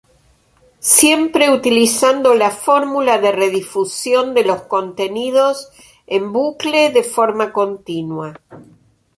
Siempre utilizando la fórmula de redifusión de los contenidos en bucle de forma continua.